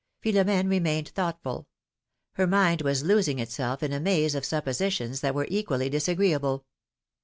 Philomene remained thoughtful ; her mind was losing itself in a maze of suppositions that were equally disagree able.